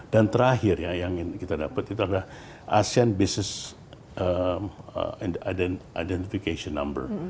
dan terakhir ya yang kita dapat itu adalah asean business identification number